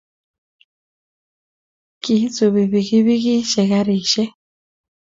kisupi pikipikishek karishek